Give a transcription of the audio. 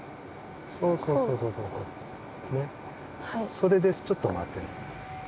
それでちょっとまってね。